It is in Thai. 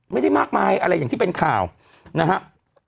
ไม่ได้มากมายอะไรอย่างที่เป็นข่าวนะครับ